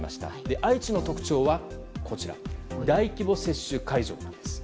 愛知の特徴は大規模接種会場なんです。